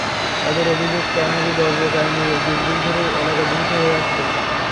তাঁদের অভিযোগ, ট্যানারি বর্জ্যের কারণে যুগ যুগ ধরে এলাকা দূষিত হয়ে আছে।